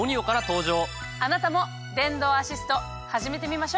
あなたも電動アシスト始めてみましょ！